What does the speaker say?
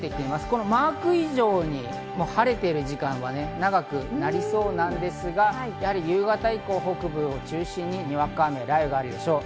このマーク以上に晴れている時間は長くなりそうなんですが、夕方以降、北部を中心に、にわか雨や雷雨があるでしょう。